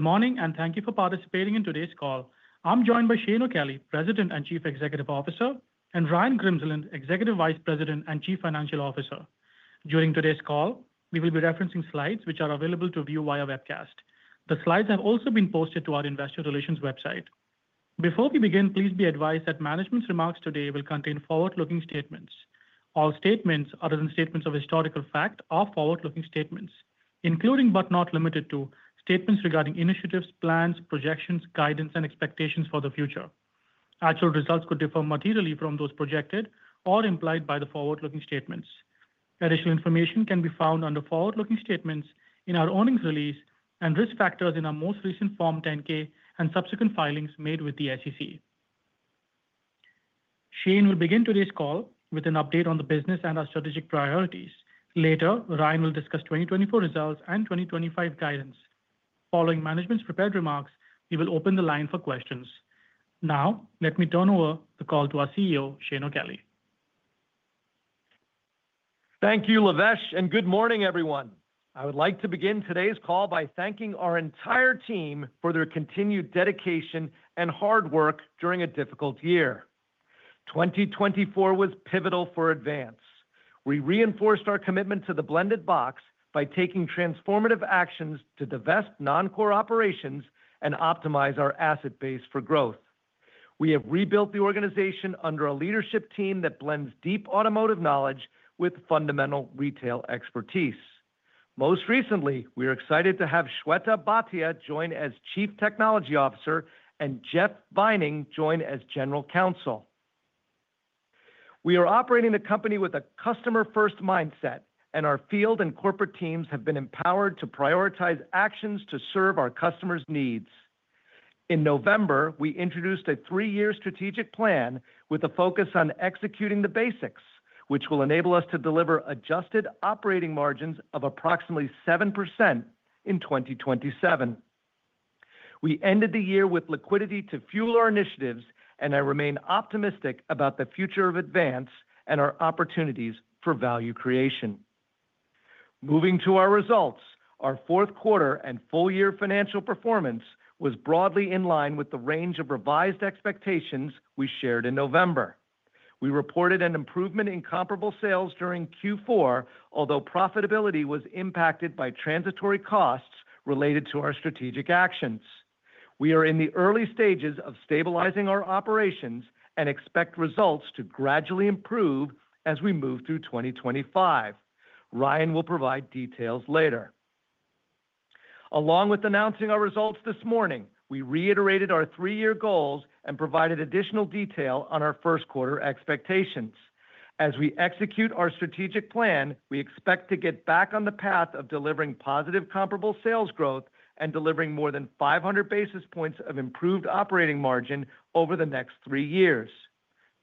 Good morning, and thank you for participating in today's call. I'm joined by Shane O'Kelly, President and Chief Executive Officer, and Ryan Grimsland, Executive Vice President and Chief Financial Officer. During today's call, we will be referencing slides which are available to view via webcast. The slides have also been posted to our investor relations website. Before we begin, please be advised that management's remarks today will contain forward-looking statements. All statements, other than statements of historical fact, are forward-looking statements, including but not limited to statements regarding initiatives, plans, projections, guidance, and expectations for the future. Actual results could differ materially from those projected or implied by the forward-looking statements. Additional information can be found under forward-looking statements in our earnings release and risk factors in our most recent Form 10-K and subsequent filings made with the SEC. Shane will begin today's call with an update on the business and our strategic priorities. Later, Ryan will discuss 2024 results and 2025 guidance. Following management's prepared remarks, we will open the line for questions. Now, let me turn over the call to our CEO, Shane O'Kelly. Thank you, Lavesh, and good morning, everyone. I would like to begin today's call by thanking our entire team for their continued dedication and hard work during a difficult year. 2024 was pivotal for Advance. We reinforced our commitment to the blended box by taking transformative actions to divest non-core operations and optimize our asset base for growth. We have rebuilt the organization under a leadership team that blends deep automotive knowledge with fundamental retail expertise. Most recently, we are excited to have Shweta Bhatia join as Chief Technology Officer and Jeff Bining join as General Counsel. We are operating the company with a customer-first mindset, and our field and corporate teams have been empowered to prioritize actions to serve our customers' needs. In November, we introduced a three-year strategic plan with a focus on executing the basics, which will enable us to deliver adjusted operating margins of approximately 7% in 2027. We ended the year with liquidity to fuel our initiatives, and I remain optimistic about the future of Advance and our opportunities for value creation. Moving to our results, our fourth quarter and full-year financial performance was broadly in line with the range of revised expectations we shared in November. We reported an improvement in comparable sales during Q4, although profitability was impacted by transitory costs related to our strategic actions. We are in the early stages of stabilizing our operations and expect results to gradually improve as we move through 2025. Ryan will provide details later. Along with announcing our results this morning, we reiterated our three-year goals and provided additional detail on our first quarter expectations. As we execute our strategic plan, we expect to get back on the path of delivering positive comparable sales growth and delivering more than 500 basis points of improved operating margin over the next three years.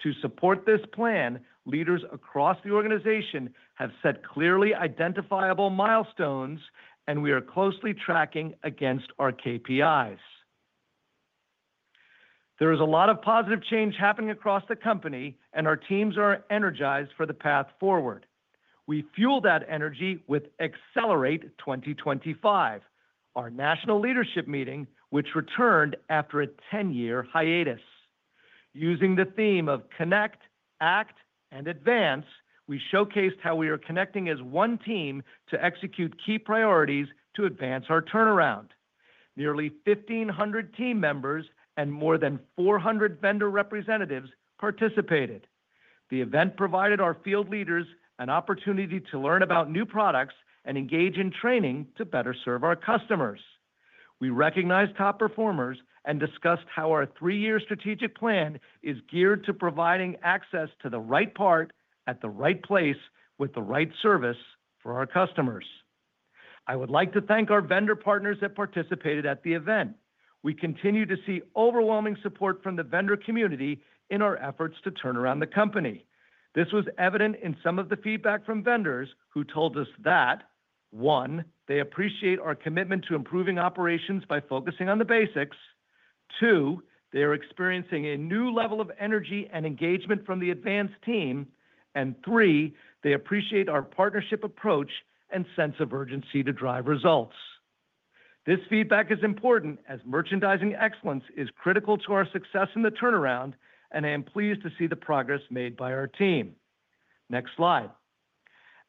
To support this plan, leaders across the organization have set clearly identifiable milestones, and we are closely tracking against our KPIs. There is a lot of positive change happening across the company, and our teams are energized for the path forward. We fuel that energy with Accelerate 2025, our national leadership meeting, which returned after a 10-year hiatus. Using the theme of Connect, Act, and Advance, we showcased how we are connecting as one team to execute key priorities to advance our turnaround. Nearly 1,500 team members and more than 400 vendor representatives participated. The event provided our field leaders an opportunity to learn about new products and engage in training to better serve our customers. We recognized top performers and discussed how our three-year strategic plan is geared to providing access to the right part at the right place with the right service for our customers. I would like to thank our vendor partners that participated at the event. We continue to see overwhelming support from the vendor community in our efforts to turn around the company. This was evident in some of the feedback from vendors who told us that, one, they appreciate our commitment to improving operations by focusing on the basics, two, they are experiencing a new level of energy and engagement from the Advance team, and three, they appreciate our partnership approach and sense of urgency to drive results. This feedback is important as merchandising excellence is critical to our success in the turnaround, and I am pleased to see the progress made by our team. Next slide.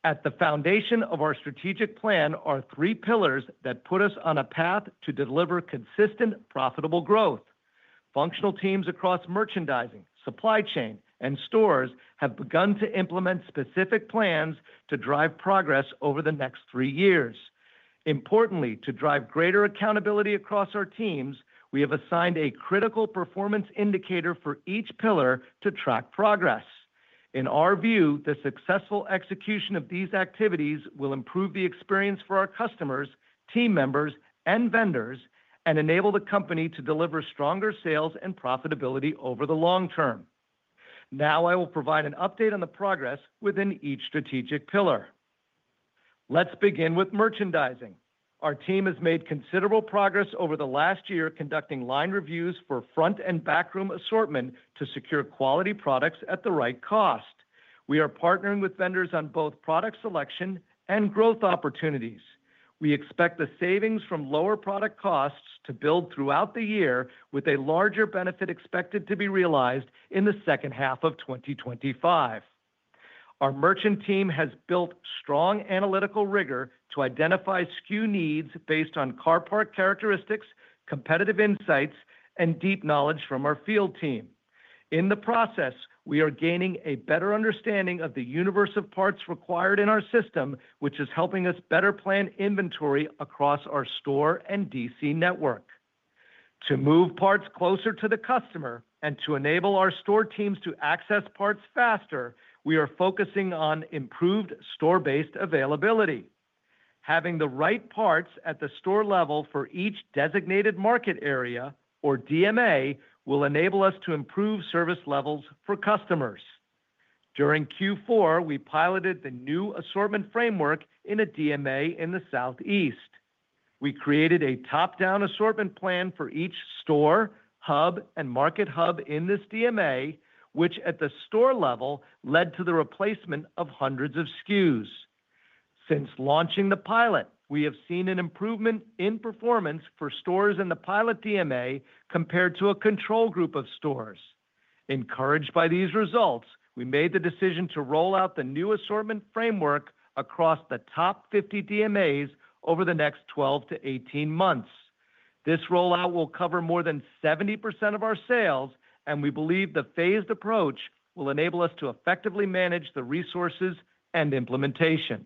At the foundation of our strategic plan are three pillars that put us on a path to deliver consistent, profitable growth. Functional teams across merchandising, supply chain, and stores have begun to implement specific plans to drive progress over the next three years. Importantly, to drive greater accountability across our teams, we have assigned a critical performance indicator for each pillar to track progress. In our view, the successful execution of these activities will improve the experience for our customers, team members, and vendors, and enable the company to deliver stronger sales and profitability over the long term. Now, I will provide an update on the progress within each strategic pillar. Let's begin with merchandising. Our team has made considerable progress over the last year conducting line reviews for front and backroom assortment to secure quality products at the right cost. We are partnering with vendors on both product selection and growth opportunities. We expect the savings from lower product costs to build throughout the year, with a larger benefit expected to be realized in the second half of 2025. Our merchant team has built strong analytical rigor to identify SKU needs based on car park characteristics, competitive insights, and deep knowledge from our field team. In the process, we are gaining a better understanding of the universe of parts required in our system, which is helping us better plan inventory across our store and DC network. To move parts closer to the customer and to enable our store teams to access parts faster, we are focusing on improved store-based availability. Having the right parts at the store level for each designated market area, or DMA, will enable us to improve service levels for customers. During Q4, we piloted the new assortment framework in a DMA in the Southeast. We created a top-down assortment plan for each store, hub, and Market Hub in this DMA, which at the store level led to the replacement of hundreds of SKUs. Since launching the pilot, we have seen an improvement in performance for stores in the pilot DMA compared to a control group of stores. Encouraged by these results, we made the decision to roll out the new assortment framework across the top 50 DMAs over the next 12-18 months. This rollout will cover more than 70% of our sales, and we believe the phased approach will enable us to effectively manage the resources and implementation.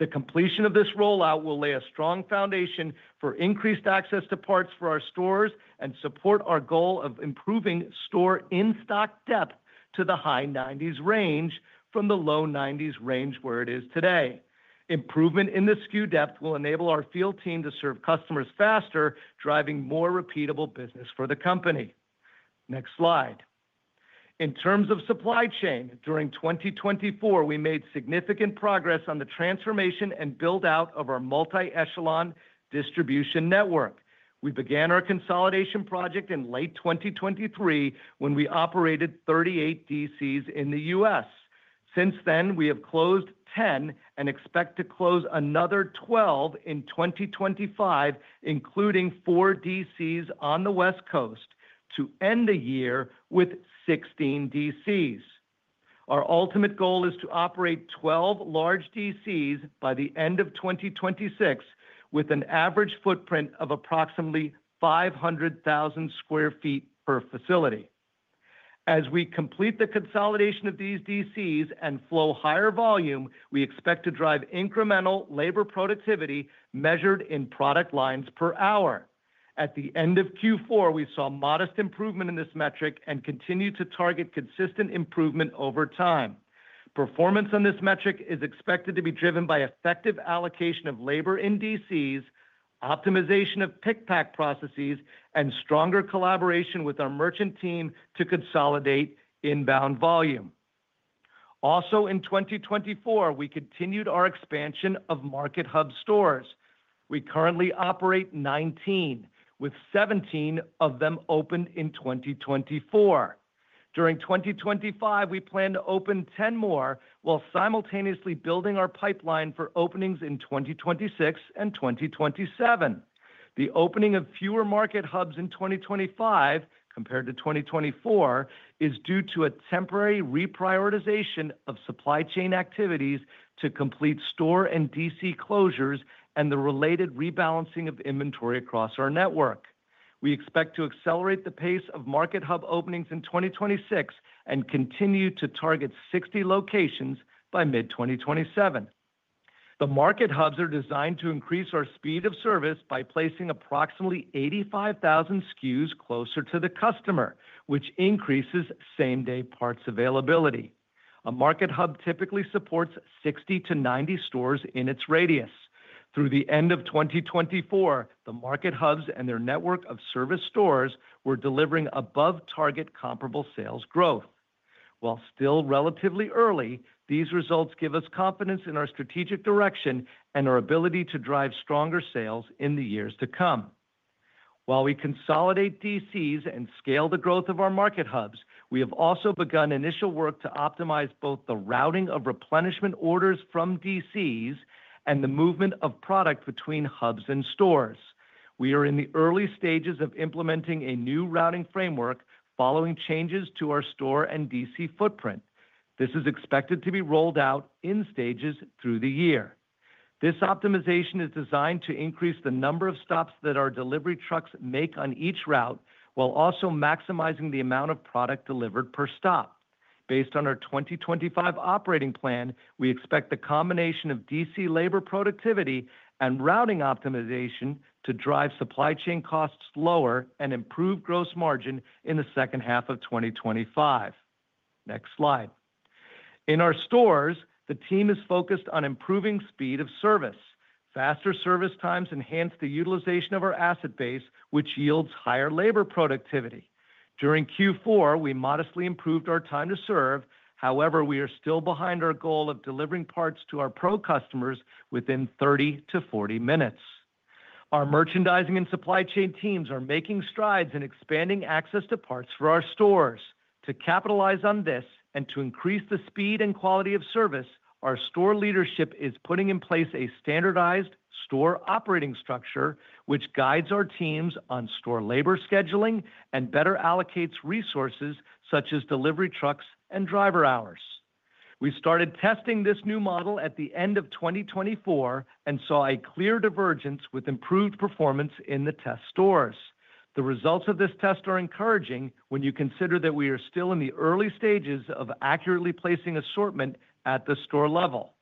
The completion of this rollout will lay a strong foundation for increased access to parts for our stores and support our goal of improving store in-stock depth to the high 90s range from the low 90s range where it is today. Improvement in the SKU depth will enable our field team to serve customers faster, driving more repeatable business for the company. Next slide. In terms of supply chain, during 2024, we made significant progress on the transformation and build-out of our multi-echelon distribution network. We began our consolidation project in late 2023 when we operated 38 DCs in the U.S. Since then, we have closed 10 and expect to close another 12 in 2025, including four DCs on the West Coast, to end the year with 16 DCs. Our ultimate goal is to operate 12 large DCs by the end of 2026, with an average footprint of approximately 500,000 sq ft per facility. As we complete the consolidation of these DCs and flow higher volume, we expect to drive incremental labor productivity measured in product lines per hour. At the end of Q4, we saw modest improvement in this metric and continue to target consistent improvement over time. Performance on this metric is expected to be driven by effective allocation of labor in DCs, optimization of pick-pack processes, and stronger collaboration with our merchant team to consolidate inbound volume. Also, in 2024, we continued our expansion of Market Hub stores. We currently operate 19, with 17 of them opened in 2024. During 2025, we plan to open 10 more while simultaneously building our pipeline for openings in 2026 and 2027. The opening of fewer Market Hubs in 2025 compared to 2024 is due to a temporary reprioritization of supply chain activities to complete store and DC closures and the related rebalancing of inventory across our network. We expect to accelerate the pace of Market Hub openings in 2026 and continue to target 60 locations by mid-2027. The Market Hubs are designed to increase our speed of service by placing approximately 85,000 SKUs closer to the customer, which increases same-day parts availability. A Market Hub typically supports 60-90 stores in its radius. Through the end of 2024, the Market Hubs and their network of service stores were delivering above-target comparable sales growth. While still relatively early, these results give us confidence in our strategic direction and our ability to drive stronger sales in the years to come. While we consolidate DCs and scale the growth of our Market Hubs, we have also begun initial work to optimize both the routing of replenishment orders from DCs and the movement of product between hubs and stores. We are in the early stages of implementing a new routing framework following changes to our store and DC footprint. This is expected to be rolled out in stages through the year. This optimization is designed to increase the number of stops that our delivery trucks make on each route while also maximizing the amount of product delivered per stop. Based on our 2025 operating plan, we expect the combination of DC labor productivity and routing optimization to drive supply chain costs lower and improve gross margin in the second half of 2025. Next slide. In our stores, the team is focused on improving speed of service. Faster service times enhance the utilization of our asset base, which yields higher labor productivity. During Q4, we modestly improved our time to serve. However, we are still behind our goal of delivering parts to our Pro customers within 30-40 minutes. Our merchandising and supply chain teams are making strides in expanding access to parts for our stores. To capitalize on this and to increase the speed and quality of service, our store leadership is putting in place a standardized store operating structure, which guides our teams on store labor scheduling and better allocates resources such as delivery trucks and driver hours. We started testing this new model at the end of 2024 and saw a clear divergence with improved performance in the test stores. The results of this test are encouraging when you consider that we are still in the early stages of accurately placing assortment at the store level.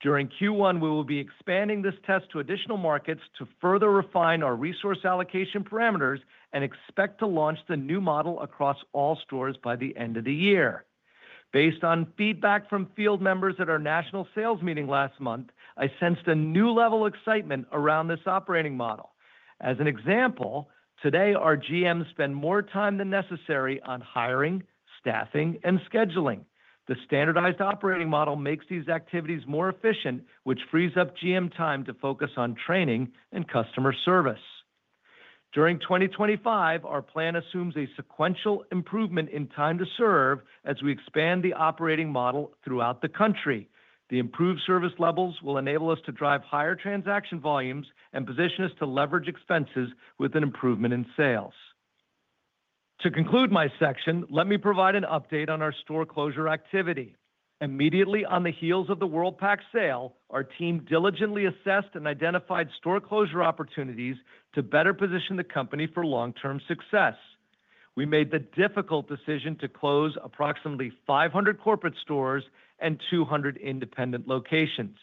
During Q1, we will be expanding this test to additional markets to further refine our resource allocation parameters and expect to launch the new model across all stores by the end of the year. Based on feedback from field members at our national sales meeting last month, I sensed a new level of excitement around this operating model. As an example, today, our GMs spend more time than necessary on hiring, staffing, and scheduling. The standardized operating model makes these activities more efficient, which frees up GM time to focus on training and customer service. During 2025, our plan assumes a sequential improvement in time to serve as we expand the operating model throughout the country. The improved service levels will enable us to drive higher transaction volumes and position us to leverage expenses with an improvement in sales. To conclude my section, let me provide an update on our store closure activity. Immediately on the heels of the Worldpac sale, our team diligently assessed and identified store closure opportunities to better position the company for long-term success. We made the difficult decision to close approximately 500 corporate stores and 200 independent locations.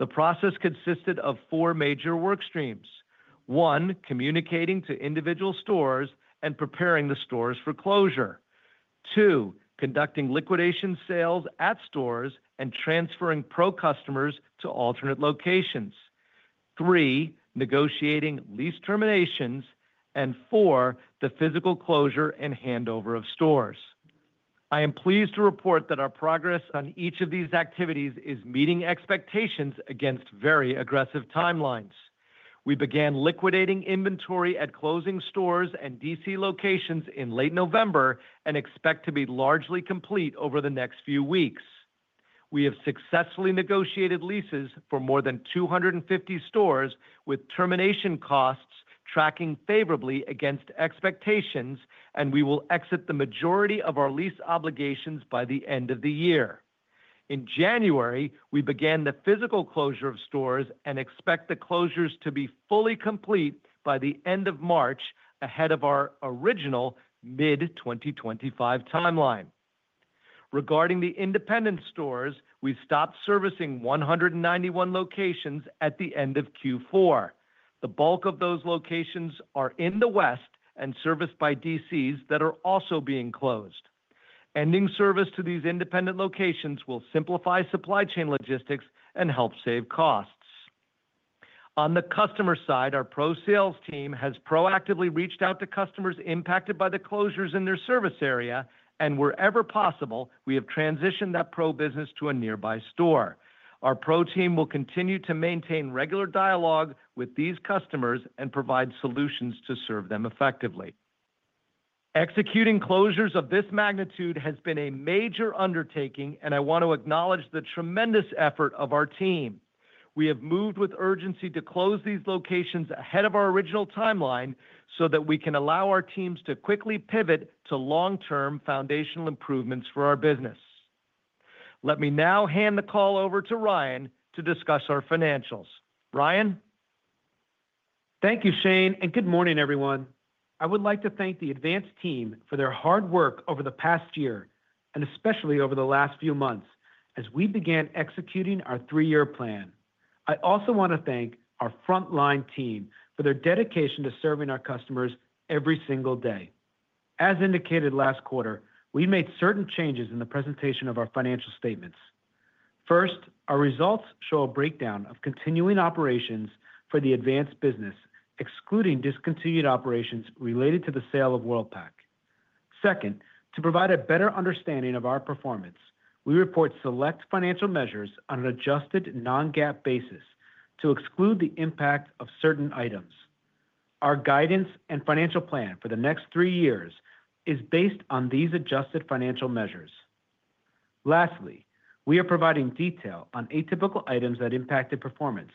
The process consisted of four major work streams. One, communicating to individual stores and preparing the stores for closure. Two, conducting liquidation sales at stores and transferring Pro customers to alternate locations. Three, negotiating lease terminations. And four, the physical closure and handover of stores. I am pleased to report that our progress on each of these activities is meeting expectations against very aggressive timelines. We began liquidating inventory at closing stores and DC locations in late November and expect to be largely complete over the next few weeks. We have successfully negotiated leases for more than 250 stores with termination costs tracking favorably against expectations, and we will exit the majority of our lease obligations by the end of the year. In January, we began the physical closure of stores and expect the closures to be fully complete by the end of March ahead of our original mid-2025 timeline. Regarding the independent stores, we stopped servicing 191 locations at the end of Q4. The bulk of those locations are in the West and serviced by DCs that are also being closed. Ending service to these independent locations will simplify supply chain logistics and help save costs. On the customer side, our Pro sales team has proactively reached out to customers impacted by the closures in their service area, and wherever possible, we have transitioned that Pro business to a nearby store. Our Pro team will continue to maintain regular dialogue with these customers and provide solutions to serve them effectively. Executing closures of this magnitude has been a major undertaking, and I want to acknowledge the tremendous effort of our team. We have moved with urgency to close these locations ahead of our original timeline so that we can allow our teams to quickly pivot to long-term foundational improvements for our business. Let me now hand the call over to Ryan to discuss our financials. Ryan. Thank you, Shane, and good morning, everyone. I would like to thank the Advance team for their hard work over the past year, and especially over the last few months as we began executing our three-year plan. I also want to thank our frontline team for their dedication to serving our customers every single day. As indicated last quarter, we made certain changes in the presentation of our financial statements. First, our results show a breakdown of continuing operations for the Advance business, excluding discontinued operations related to the sale of Worldpac. Second, to provide a better understanding of our performance, we report select financial measures on an adjusted non-GAAP basis to exclude the impact of certain items. Our guidance and financial plan for the next three years is based on these adjusted financial measures. Lastly, we are providing detail on atypical items that impacted performance.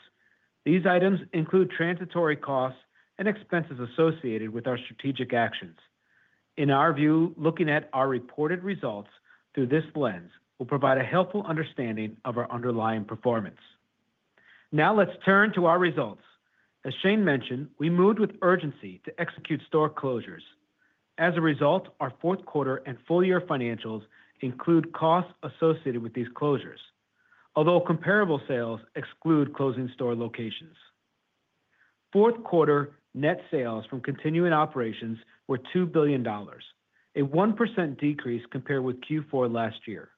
These items include transitory costs and expenses associated with our strategic actions. In our view, looking at our reported results through this lens will provide a helpful understanding of our underlying performance. Now let's turn to our results. As Shane mentioned, we moved with urgency to execute store closures. As a result, our fourth quarter and full-year financials include costs associated with these closures, although comparable sales exclude closing store locations. Fourth quarter net sales from continuing operations were $2 billion, a 1% decrease compared with Q4 last year.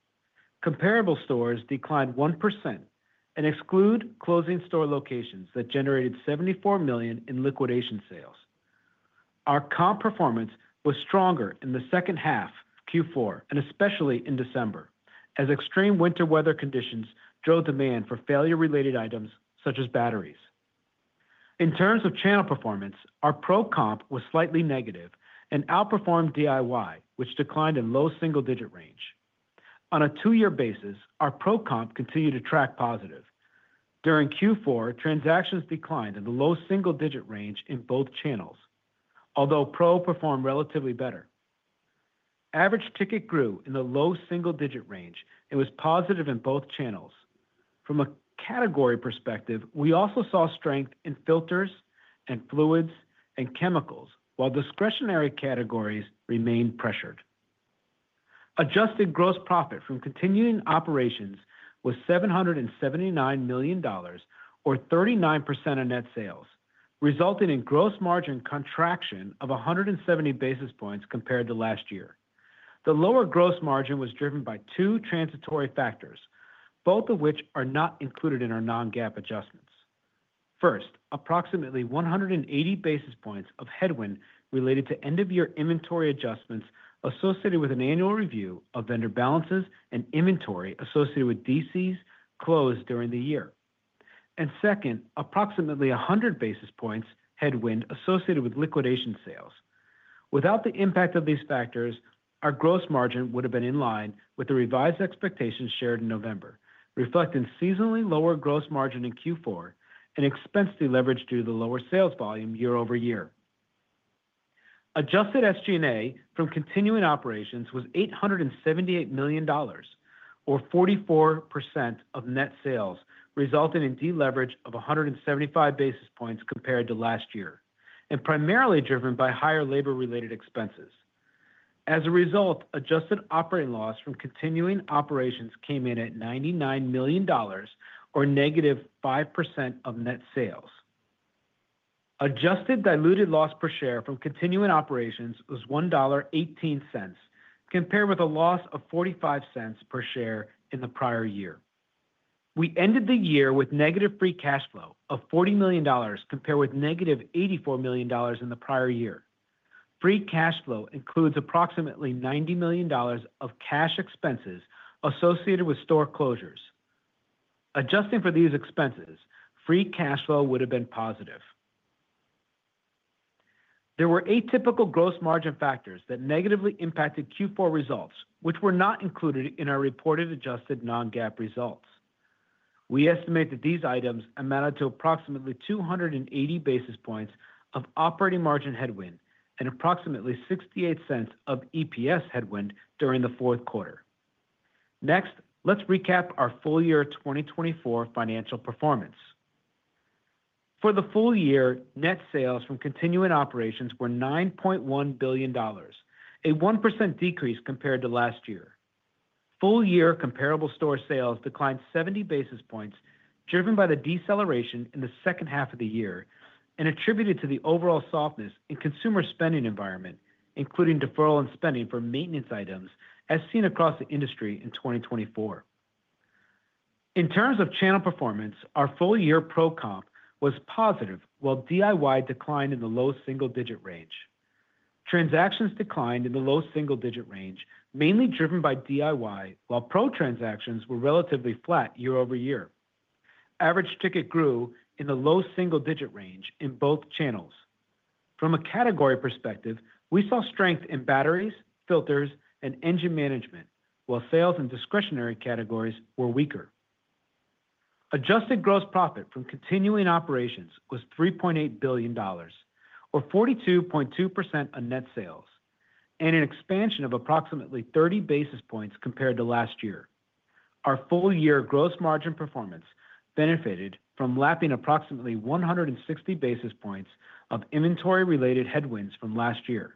Comparable stores declined 1% and exclude closing store locations that generated $74 million in liquidation sales. Our comp performance was stronger in the second half, Q4, and especially in December, as extreme winter weather conditions drove demand for failure-related items such as batteries. In terms of channel performance, our Pro comp was slightly negative and outperformed DIY, which declined in low single-digit range. On a two-year basis, our Pro comp continued to track positive. During Q4, transactions declined in the low single-digit range in both channels, although Pro performed relatively better. Average ticket grew in the low single-digit range and was positive in both channels. From a category perspective, we also saw strength in filters and fluids and chemicals, while discretionary categories remained pressured. Adjusted gross profit from continuing operations was $779 million, or 39% of net sales, resulting in gross margin contraction of 170 basis points compared to last year. The lower gross margin was driven by two transitory factors, both of which are not included in our non-GAAP adjustments. First, approximately 180 basis points of headwind related to end-of-year inventory adjustments associated with an annual review of vendor balances and inventory associated with DCs closed during the year. And second, approximately 100 basis points headwind associated with liquidation sales. Without the impact of these factors, our gross margin would have been in line with the revised expectations shared in November, reflecting seasonally lower gross margin in Q4 and expense leverage due to the lower sales volume year over year. Adjusted SG&A from continuing operations was $878 million, or 44% of net sales, resulting in deleverage of 175 basis points compared to last year, and primarily driven by higher labor-related expenses. As a result, adjusted operating loss from continuing operations came in at $99 million, or negative 5% of net sales. Adjusted diluted loss per share from continuing operations was $1.18, compared with a loss of $0.45 per share in the prior year. We ended the year with negative free cash flow of $40 million compared with negative $84 million in the prior year. Free cash flow includes approximately $90 million of cash expenses associated with store closures. Adjusting for these expenses, free cash flow would have been positive. There were atypical gross margin factors that negatively impacted Q4 results, which were not included in our reported adjusted non-GAAP results. We estimate that these items amounted to approximately 280 basis points of operating margin headwind and approximately $0.68 of EPS headwind during the fourth quarter. Next, let's recap our full-year 2024 financial performance. For the full year, net sales from continuing operations were $9.1 billion, a 1% decrease compared to last year. Full-year comparable store sales declined 70 basis points, driven by the deceleration in the second half of the year and attributed to the overall softness in consumer spending environment, including deferral and spending for maintenance items, as seen across the industry in 2024. In terms of channel performance, our full-year Pro comp was positive, while DIY declined in the low single-digit range. Transactions declined in the low single-digit range, mainly driven by DIY, while Pro transactions were relatively flat year over year. Average ticket grew in the low single-digit range in both channels. From a category perspective, we saw strength in batteries, filters, and engine management, while sales in discretionary categories were weaker. Adjusted gross profit from continuing operations was $3.8 billion, or 42.2% of net sales, and an expansion of approximately 30 basis points compared to last year. Our full-year gross margin performance benefited from lapping approximately 160 basis points of inventory-related headwinds from last year.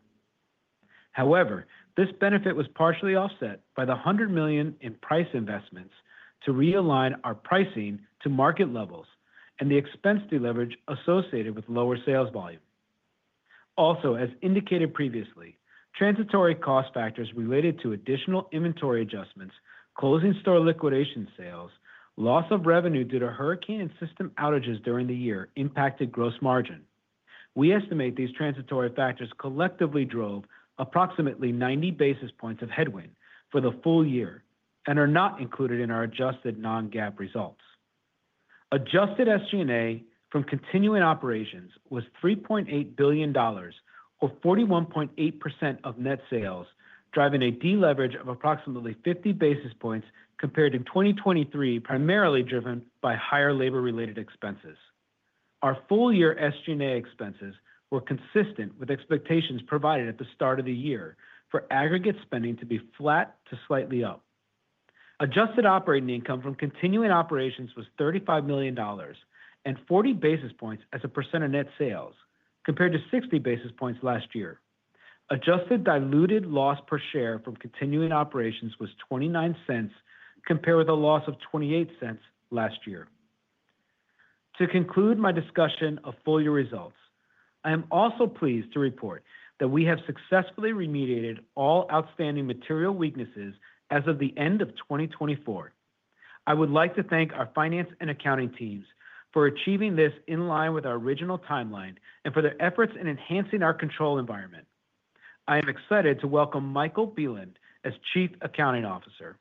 However, this benefit was partially offset by the $100 million in price investments to realign our pricing to market levels and the expense deleverage associated with lower sales volume. Also, as indicated previously, transitory cost factors related to additional inventory adjustments, closing store liquidation sales, loss of revenue due to hurricane and system outages during the year impacted gross margin. We estimate these transitory factors collectively drove approximately 90 basis points of headwind for the full year and are not included in our adjusted non-GAAP results. Adjusted SG&A from continuing operations was $3.8 billion, or 41.8% of net sales, driving a deleverage of approximately 50 basis points compared to 2023, primarily driven by higher labor-related expenses. Our full-year SG&A expenses were consistent with expectations provided at the start of the year for aggregate spending to be flat to slightly up. Adjusted operating income from continuing operations was $35 million and 40 basis points as a percent of net sales, compared to 60 basis points last year. Adjusted diluted loss per share from continuing operations was $0.29, compared with a loss of $0.28 last year. To conclude my discussion of full-year results, I am also pleased to report that we have successfully remediated all outstanding material weaknesses as of the end of 2024. I would like to thank our finance and accounting teams for achieving this in line with our original timeline and for their efforts in enhancing our control environment. I am excited to welcome Michael Byland as Chief Accounting Officer.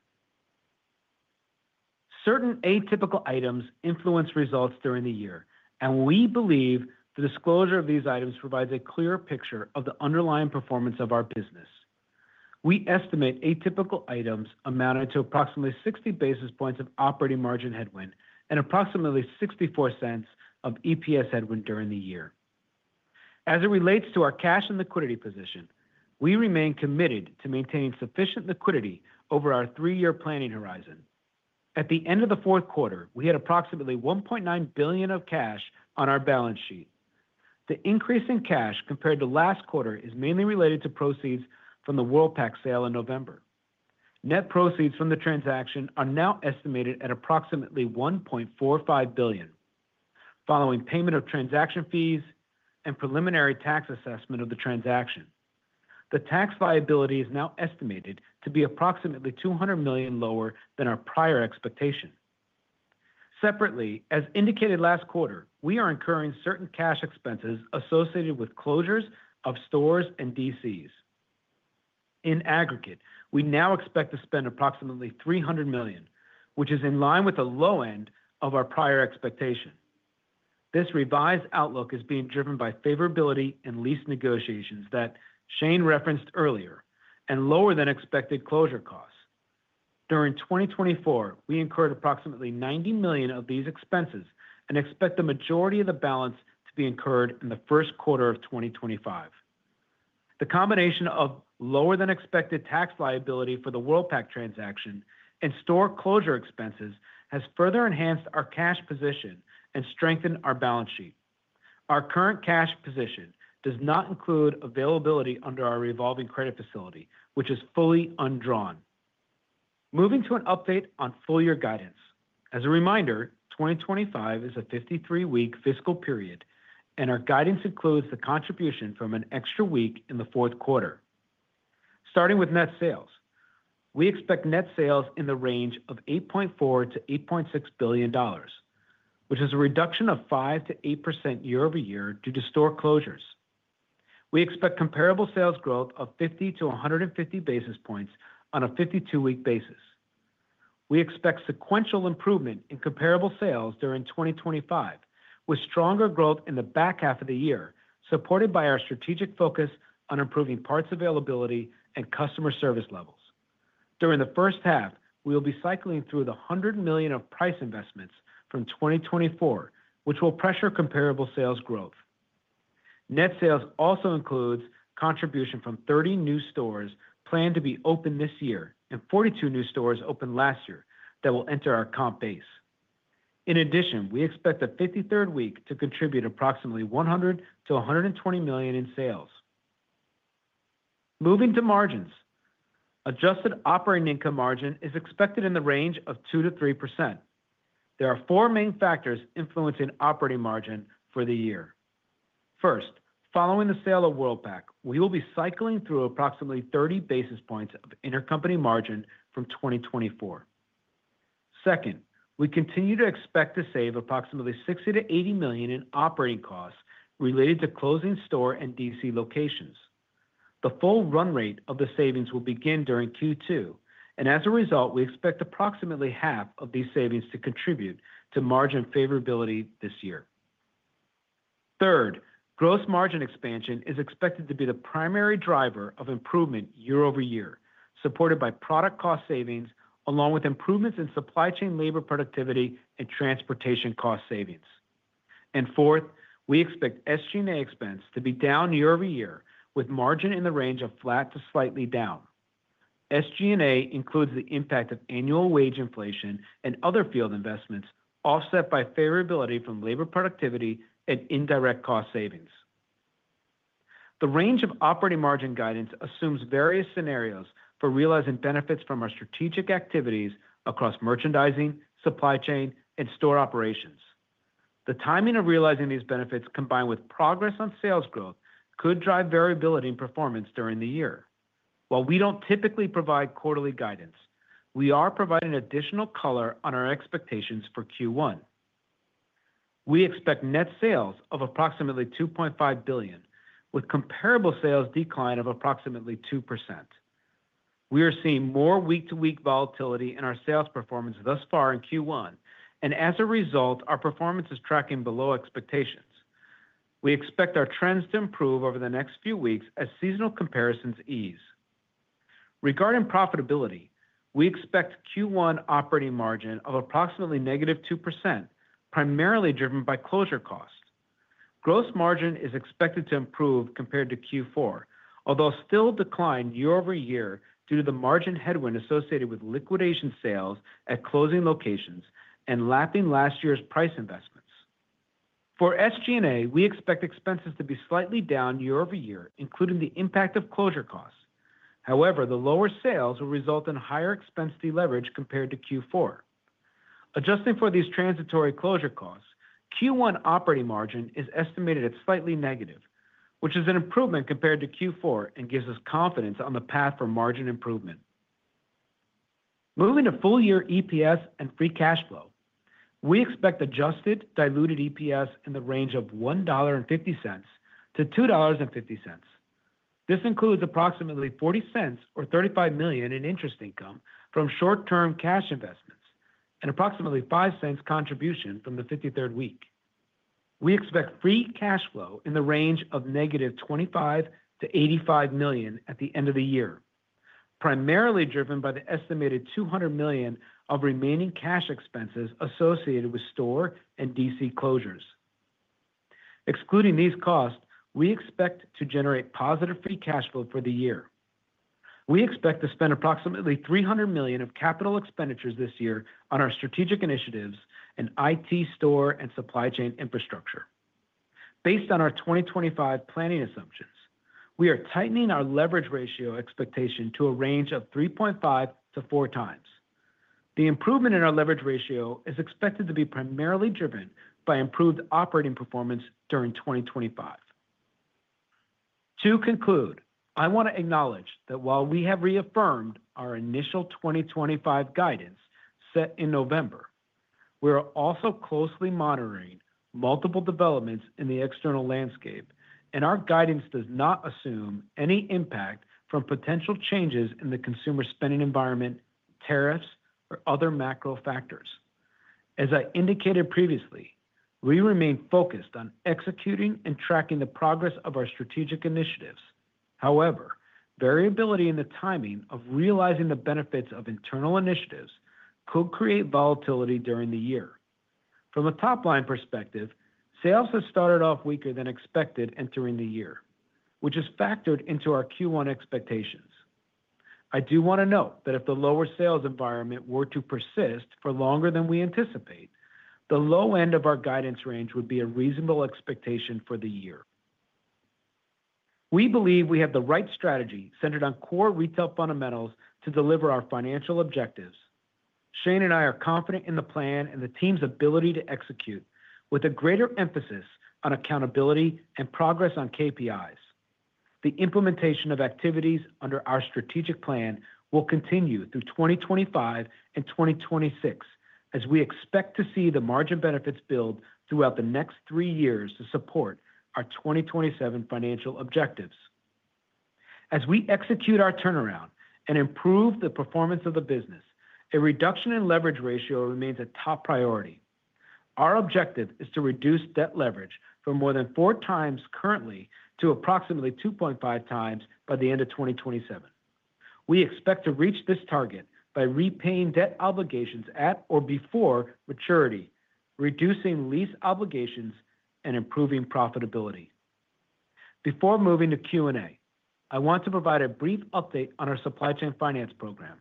Certain atypical items influence results during the year, and we believe the disclosure of these items provides a clearer picture of the underlying performance of our business. We estimate atypical items amounted to approximately 60 basis points of operating margin headwind and approximately $0.64 of EPS headwind during the year. As it relates to our cash and liquidity position, we remain committed to maintaining sufficient liquidity over our three-year planning horizon. At the end of the fourth quarter, we had approximately $1.9 billion of cash on our balance sheet. The increase in cash compared to last quarter is mainly related to proceeds from the Worldpac sale in November. Net proceeds from the transaction are now estimated at approximately $1.45 billion, following payment of transaction fees and preliminary tax assessment of the transaction. The tax liability is now estimated to be approximately $200 million lower than our prior expectation. Separately, as indicated last quarter, we are incurring certain cash expenses associated with closures of stores and DCs. In aggregate, we now expect to spend approximately $300 million, which is in line with the low end of our prior expectation. This revised outlook is being driven by favorability and lease negotiations that Shane referenced earlier and lower-than-expected closure costs. During 2024, we incurred approximately $90 million of these expenses and expect the majority of the balance to be incurred in the first quarter of 2025. The combination of lower-than-expected tax liability for the Worldpac transaction and store closure expenses has further enhanced our cash position and strengthened our balance sheet. Our current cash position does not include availability under our revolving credit facility, which is fully undrawn. Moving to an update on full-year guidance. As a reminder, 2025 is a 53-week fiscal period, and our guidance includes the contribution from an extra week in the fourth quarter. Starting with net sales, we expect net sales in the range of $8.4-$8.6 billion, which is a reduction of 5%-8% year over year due to store closures. We expect comparable sales growth of 50 to 150 basis points on a 52-week basis. We expect sequential improvement in comparable sales during 2025, with stronger growth in the back half of the year, supported by our strategic focus on improving parts availability and customer service levels. During the first half, we will be cycling through the $100 million of price investments from 2024, which will pressure comparable sales growth. Net sales also includes contribution from 30 new stores planned to be opened this year and 42 new stores opened last year that will enter our comp base. In addition, we expect the 53rd week to contribute approximately $100-$120 million in sales. Moving to margins, adjusted operating income margin is expected in the range of 2%-3%. There are four main factors influencing operating margin for the year. First, following the sale of Worldpac, we will be cycling through approximately 30 basis points of intercompany margin from 2024. Second, we continue to expect to save approximately $60-$80 million in operating costs related to closing store and DC locations. The full run rate of the savings will begin during Q2, and as a result, we expect approximately half of these savings to contribute to margin favorability this year. Third, gross margin expansion is expected to be the primary driver of improvement year over year, supported by product cost savings, along with improvements in supply chain labor productivity and transportation cost savings. And fourth, we expect SG&A expense to be down year over year, with margin in the range of flat to slightly down. SG&A includes the impact of annual wage inflation and other field investments offset by favorability from labor productivity and indirect cost savings. The range of operating margin guidance assumes various scenarios for realizing benefits from our strategic activities across merchandising, supply chain, and store operations. The timing of realizing these benefits, combined with progress on sales growth, could drive variability in performance during the year. While we don't typically provide quarterly guidance, we are providing additional color on our expectations for Q1. We expect net sales of approximately $2.5 billion, with comparable sales decline of approximately 2%. We are seeing more week-to-week volatility in our sales performance thus far in Q1, and as a result, our performance is tracking below expectations. We expect our trends to improve over the next few weeks as seasonal comparisons ease. Regarding profitability, we expect Q1 operating margin of approximately negative 2%, primarily driven by closure costs. Gross margin is expected to improve compared to Q4, although still decline year over year due to the margin headwind associated with liquidation sales at closing locations and lapping last year's price investments. For SG&A, we expect expenses to be slightly down year over year, including the impact of closure costs. However, the lower sales will result in higher expense leverage compared to Q4. Adjusting for these transitory closure costs, Q1 operating margin is estimated at slightly negative, which is an improvement compared to Q4 and gives us confidence on the path for margin improvement. Moving to full-year EPS and free cash flow, we expect adjusted diluted EPS in the range of $1.50-$2.50. This includes approximately $0.40 or $35 million in interest income from short-term cash investments and approximately $0.05 contribution from the 53rd week. We expect free cash flow in the range of negative $25 million to $85 million at the end of the year, primarily driven by the estimated $200 million of remaining cash expenses associated with store and DC closures. Excluding these costs, we expect to generate positive free cash flow for the year. We expect to spend approximately $300 million of capital expenditures this year on our strategic initiatives and IT store and supply chain infrastructure. Based on our 2025 planning assumptions, we are tightening our leverage ratio expectation to a range of 3.5 to 4 times. The improvement in our leverage ratio is expected to be primarily driven by improved operating performance during 2025. To conclude, I want to acknowledge that while we have reaffirmed our initial 2025 guidance set in November, we are also closely monitoring multiple developments in the external landscape, and our guidance does not assume any impact from potential changes in the consumer spending environment, tariffs, or other macro factors. As I indicated previously, we remain focused on executing and tracking the progress of our strategic initiatives. However, variability in the timing of realizing the benefits of internal initiatives could create volatility during the year. From a top-line perspective, sales have started off weaker than expected entering the year, which is factored into our Q1 expectations. I do want to note that if the lower sales environment were to persist for longer than we anticipate, the low end of our guidance range would be a reasonable expectation for the year. We believe we have the right strategy centered on core retail fundamentals to deliver our financial objectives. Shane and I are confident in the plan and the team's ability to execute, with a greater emphasis on accountability and progress on KPIs. The implementation of activities under our strategic plan will continue through 2025 and 2026, as we expect to see the margin benefits build throughout the next three years to support our 2027 financial objectives. As we execute our turnaround and improve the performance of the business, a reduction in leverage ratio remains a top priority. Our objective is to reduce debt leverage from more than four times currently to approximately 2.5 times by the end of 2027. We expect to reach this target by repaying debt obligations at or before maturity, reducing lease obligations, and improving profitability. Before moving to Q&A, I want to provide a brief update on our supply chain finance program.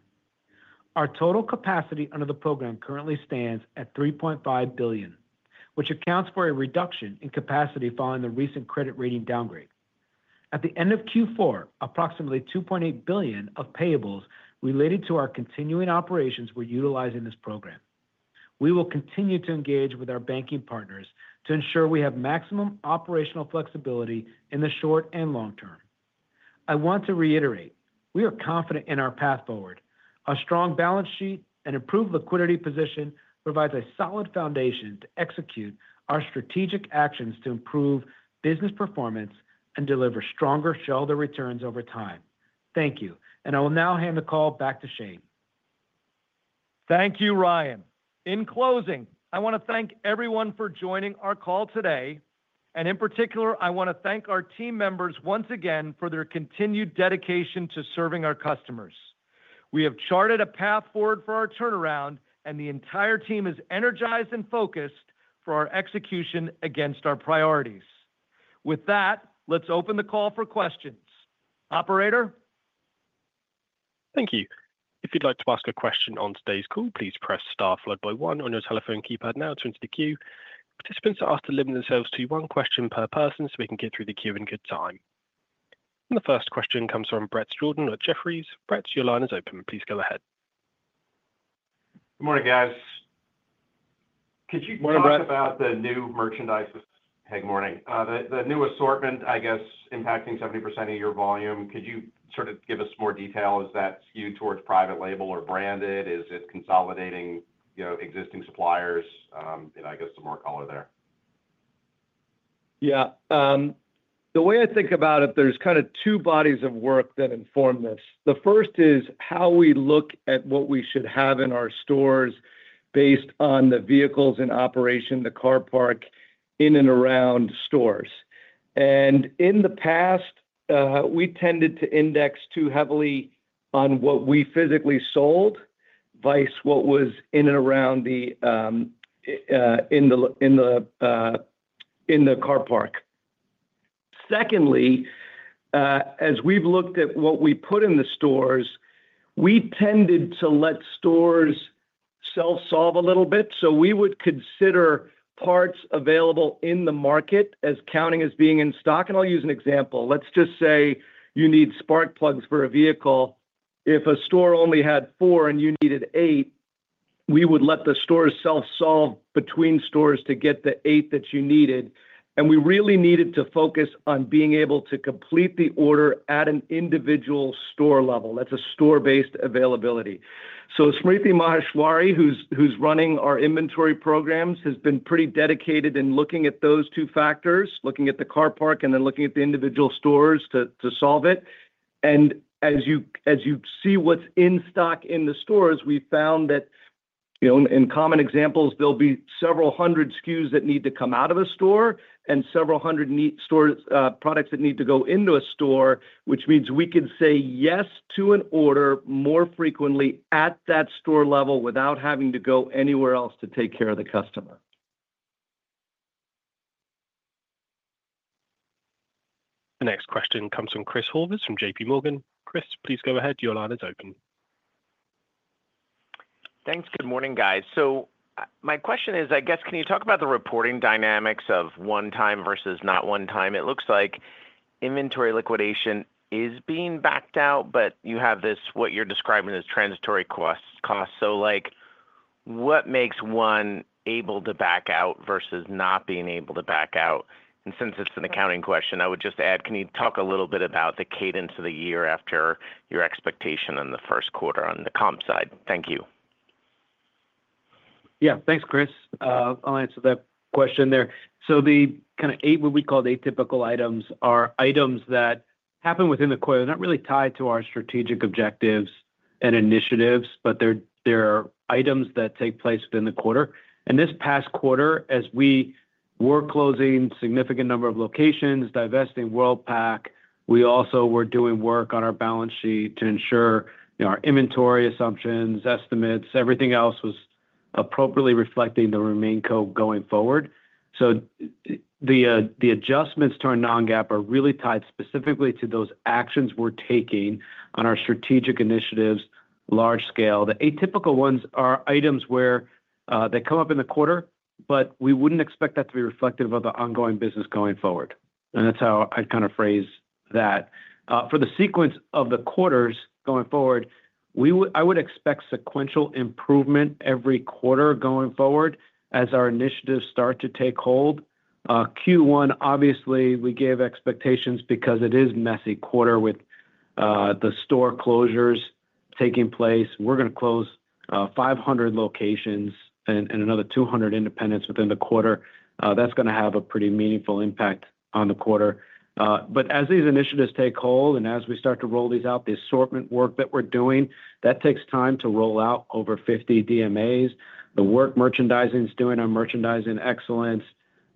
Our total capacity under the program currently stands at $3.5 billion, which accounts for a reduction in capacity following the recent credit rating downgrade. At the end of Q4, approximately $2.8 billion of payables related to our continuing operations were utilized in this program. We will continue to engage with our banking partners to ensure we have maximum operational flexibility in the short and long term. I want to reiterate, we are confident in our path forward. A strong balance sheet and improved liquidity position provides a solid foundation to execute our strategic actions to improve business performance and deliver stronger shareholder returns over time. Thank you, and I will now hand the call back to Shane. Thank you, Ryan. In closing, I want to thank everyone for joining our call today, and in particular, I want to thank our team members once again for their continued dedication to serving our customers. We have charted a path forward for our turnaround, and the entire team is energized and focused for our execution against our priorities. With that, let's open the call for questions. Operator? Thank you. If you'd like to ask a question on today's call, please press star one on your telephone keypad now to enter the queue. Participants are asked to limit themselves to one question per person so we can get through the queue in good time. The first question comes from Bret Jordan at Jefferies. Bret, your line is open. Please go ahead. Good morning, guys. Could you talk about the new merchandise? Hey, good morning. The new assortment, I guess, impacting 70% of your volume. Could you sort of give us more detail? Is that skewed towards private label or branded? Is it consolidating existing suppliers? And I guess some more color there. Yeah. The way I think about it, there's kind of two bodies of work that inform this. The first is how we look at what we should have in our stores based on the vehicles in operation, the car park in and around stores. In the past, we tended to index too heavily on what we physically sold versus what was in and around the car park. Secondly, as we've looked at what we put in the stores, we tended to let stores self-solve a little bit. So we would consider parts available in the market as counting as being in stock. And I'll use an example. Let's just say you need spark plugs for a vehicle. If a store only had four and you needed eight, we would let the stores self-solve between stores to get the eight that you needed. And we really needed to focus on being able to complete the order at an individual store level. That's a store-based availability. Smriti Maheshwari, who's running our inventory programs, has been pretty dedicated in looking at those two factors, looking at the car park and then looking at the individual stores to solve it. And as you see what's in stock in the stores, we found that in common examples, there'll be several hundred SKUs that need to come out of a store and several hundred products that need to go into a store, which means we could say yes to an order more frequently at that store level without having to go anywhere else to take care of the customer. The next question comes from Chris Horvers from J.PMorgan. Chris, please go ahead. Your line is open. Thanks. Good morning, guys. So my question is, I guess, can you talk about the reporting dynamics of one-time versus not one-time? It looks like inventory liquidation is being backed out, but you have this, what you're describing as transitory costs. So what makes one able to back out versus not being able to back out? And since it's an accounting question, I would just add, can you talk a little bit about the cadence of the year after your expectation in the first quarter on the comp side? Thank you. Yeah. Thanks, Chris. I'll answer that question there. So the kind of eight, what we call the atypical items, are items that happen within the quarter. They're not really tied to our strategic objectives and initiatives, but they're items that take place within the quarter. And this past quarter, as we were closing a significant number of locations, divesting Worldpac, we also were doing work on our balance sheet to ensure our inventory assumptions, estimates, everything else was appropriately reflecting the remaining core going forward. So the adjustments to our non-GAAP are really tied specifically to those actions we're taking on our strategic initiatives, large scale. The atypical ones are items where they come up in the quarter, but we wouldn't expect that to be reflective of the ongoing business going forward. And that's how I'd kind of phrase that. For the sequence of the quarters going forward, I would expect sequential improvement every quarter going forward as our initiatives start to take hold. Q1, obviously, we gave expectations because it is a messy quarter with the store closures taking place. We're going to close 500 locations and another 200 independents within the quarter. That's going to have a pretty meaningful impact on the quarter. But as these initiatives take hold and as we start to roll these out, the assortment work that we're doing, that takes time to roll out over 50 DMAs. The work merchandising is doing on merchandising excellence.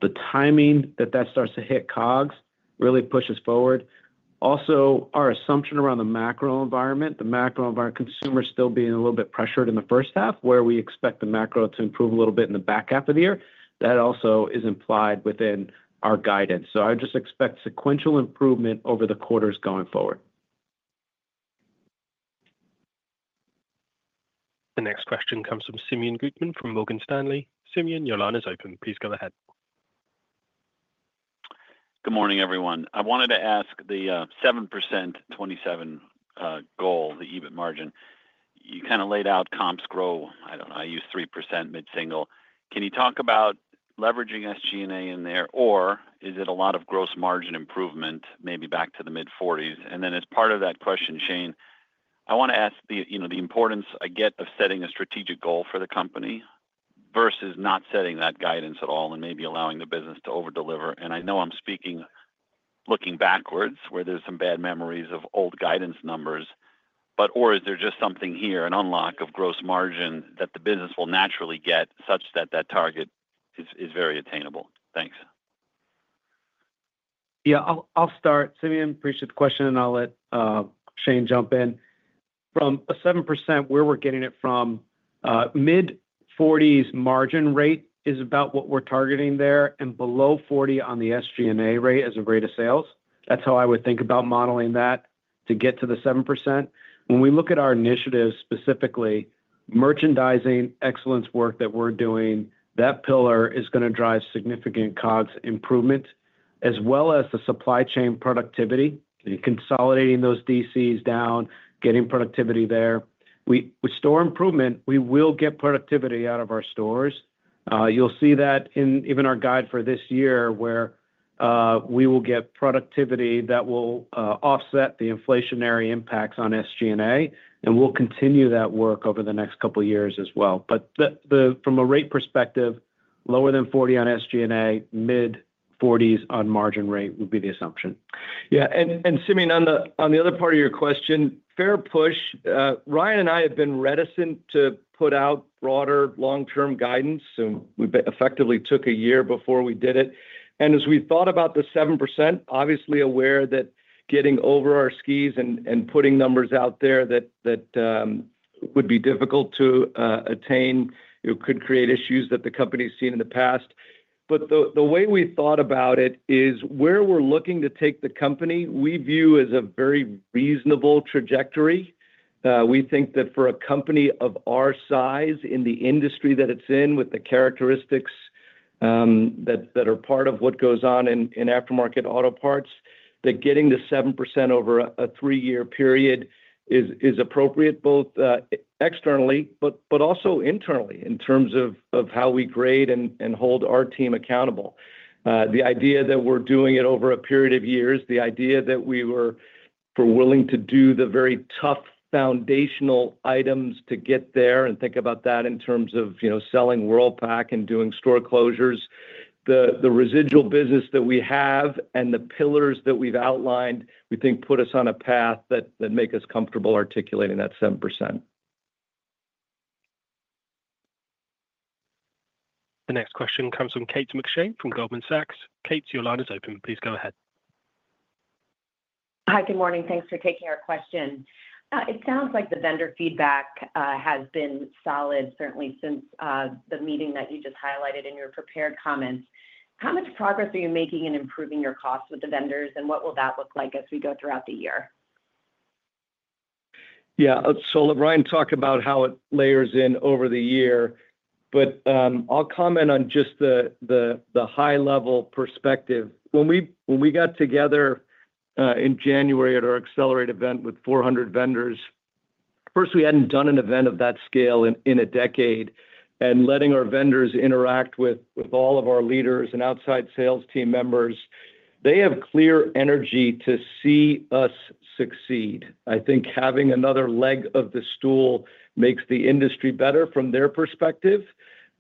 The timing that that starts to hit COGS really pushes forward. Also, our assumption around the macro environment, the macro environment, consumers still being a little bit pressured in the first half, where we expect the macro to improve a little bit in the back half of the year, that also is implied within our guidance. So I just expect sequential improvement over the quarters going forward. The next question comes from Simeon Gutman from Morgan Stanley. Simeon, your line is open. Please go ahead. Good morning, everyone. I wanted to ask the 7% 27 goal, the EBIT margin. You kind of laid out comps growth. I don't know. I use 3% mid-single. Can you talk about leveraging SG&A in there, or is it a lot of gross margin improvement, maybe back to the mid-40s? And then, as part of that question, Shane, I want to ask the importance I get of setting a strategic goal for the company versus not setting that guidance at all and maybe allowing the business to overdeliver. And I know I'm speaking looking backwards where there's some bad memories of old guidance numbers, but or is there just something here, an unlock of gross margin that the business will naturally get such that that target is very attainable? Thanks. Yeah. I'll start. Simeon, appreciate the question, and I'll let Shane jump in. From a 7%, where we're getting it from, mid-40s margin rate is about what we're targeting there, and below 40% on the SG&A rate as a rate of sales. That's how I would think about modeling that to get to the 7%. When we look at our initiatives specifically, merchandising excellence work that we're doing, that pillar is going to drive significant COGS improvement, as well as the supply chain productivity, consolidating those DCs down, getting productivity there. With store improvement, we will get productivity out of our stores. You'll see that in even our guide for this year where we will get productivity that will offset the inflationary impacts on SG&A, and we'll continue that work over the next couple of years as well. But from a rate perspective, lower than 40% on SG&A, mid-40s on margin rate would be the assumption. Yeah. And Simeon, on the other part of your question, fair push. Ryan and I have been reticent to put out broader long-term guidance, so we effectively took a year before we did it. And as we thought about the 7%, obviously aware that getting over our skis and putting numbers out there that would be difficult to attain could create issues that the company's seen in the past. But the way we thought about it is where we're looking to take the company, we view as a very reasonable trajectory. We think that for a company of our size in the industry that it's in, with the characteristics that are part of what goes on in aftermarket auto parts, that getting to 7% over a three-year period is appropriate, both externally but also internally in terms of how we grade and hold our team accountable. The idea that we're doing it over a period of years, the idea that we were willing to do the very tough foundational items to get there and think about that in terms of selling Worldpac and doing store closures, the residual business that we have and the pillars that we've outlined, we think put us on a path that makes us comfortable articulating that 7%. The next question comes from Kate McShane from Goldman Sachs. Kate, your line is open. Please go ahead. Hi, good morning. Thanks for taking our question. It sounds like the vendor feedback has been solid, certainly since the meeting that you just highlighted in your prepared comments. How much progress are you making in improving your costs with the vendors, and what will that look like as we go throughout the year? Yeah. So let Ryan talk about how it layers in over the year, but I'll comment on just the high-level perspective. When we got together in January at our Accelerate event with 400 vendors, first, we hadn't done an event of that scale in a decade. And letting our vendors interact with all of our leaders and outside sales team members, they have clear energy to see us succeed. I think having another leg of the stool makes the industry better from their perspective,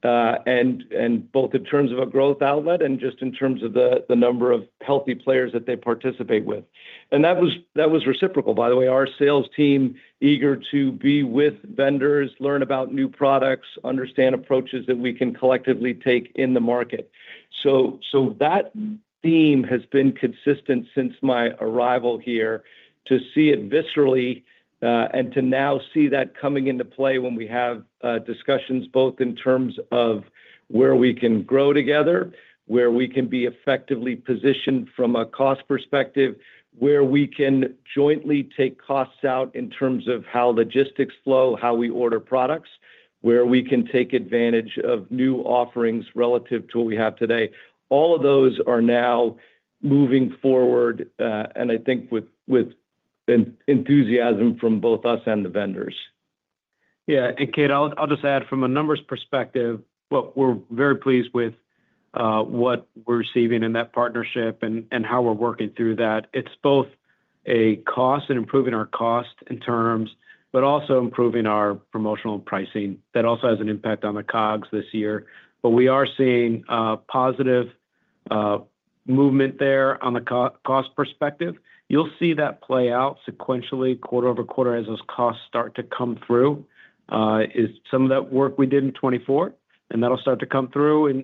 both in terms of a growth outlet and just in terms of the number of healthy players that they participate with. And that was reciprocal, by the way. Our sales team is eager to be with vendors, learn about new products, understand approaches that we can collectively take in the market. So that theme has been consistent since my arrival here to see it viscerally and to now see that coming into play when we have discussions both in terms of where we can grow together, where we can be effectively positioned from a cost perspective, where we can jointly take costs out in terms of how logistics flow, how we order products, where we can take advantage of new offerings relative to what we have today. All of those are now moving forward, and I think with enthusiasm from both us and the vendors. Yeah. And Kate, I'll just add from a numbers perspective, we're very pleased with what we're receiving in that partnership and how we're working through that. It's both a cost and improving our cost in terms, but also improving our promotional pricing. That also has an impact on the COGS this year. But we are seeing positive movement there on the cost perspective. You'll see that play out sequentially quarter over quarter as those costs start to come through. Some of that work we did in 2024, and that'll start to come through in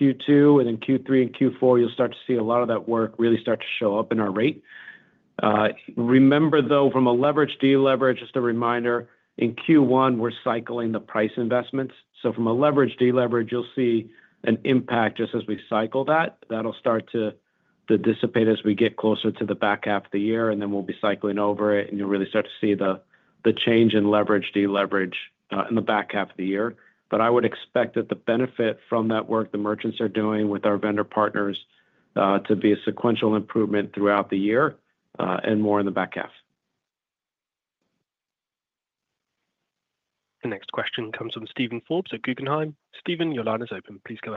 Q2. And in Q3 and Q4, you'll start to see a lot of that work really start to show up in our rate. Remember, though, from a leverage/deleverage, just a reminder, in Q1, we're cycling the price investments. So from a leverage/deleverage, you'll see an impact just as we cycle that. That'll start to dissipate as we get closer to the back half of the year, and then we'll be cycling over it, and you'll really start to see the change in leverage/deleverage in the back half of the year. But I would expect that the benefit from that work the merchants are doing with our vendor partners to be a sequential improvement throughout the year and more in the back half. The next question comes from Steven Forbes at Guggenheim. Steven, your line is open. Please go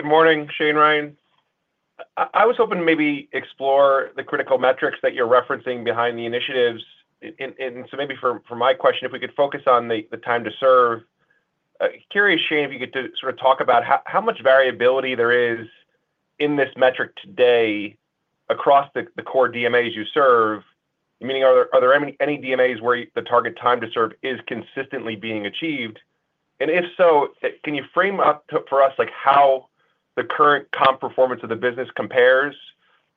ahead. Good morning, Shane and Ryan. I was hoping to maybe explore the critical metrics that you're referencing behind the initiatives, and so maybe for my question, if we could focus on the time to serve. Curious, Shane, if you could sort of talk about how much variability there is in this metric today across the core DMAs you serve. Meaning, are there any DMAs where the target time to serve is consistently being achieved? And if so, can you frame up for us how the current comp performance of the business compares